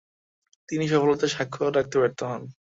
তিনি সফলতার স্বাক্ষর রাখতে ব্যর্থ হন।